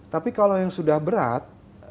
tapi kalau yang sudah berat